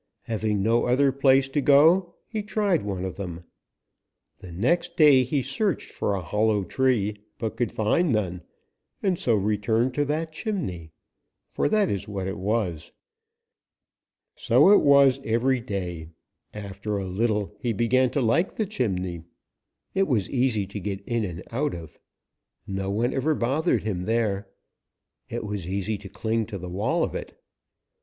Having no other place to go, he tried one of them. The next day he searched for a hollow tree but could find none, and so returned to that chimney, for that is what it was. So it was every day. After a little he began to like the chimney. It was easy to get in and out of. No one ever bothered him there. It was easy to cling to the wall of it.